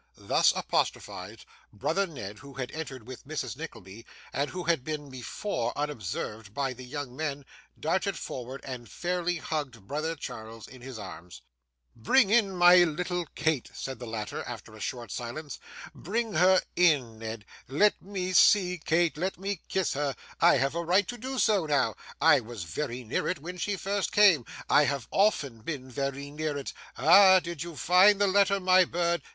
Thus apostrophised, brother Ned, who had entered with Mrs. Nickleby, and who had been before unobserved by the young men, darted forward, and fairly hugged brother Charles in his arms. 'Bring in my little Kate,' said the latter, after a short silence. 'Bring her in, Ned. Let me see Kate, let me kiss her. I have a right to do so now; I was very near it when she first came; I have often been very near it. Ah! Did you find the letter, my bird?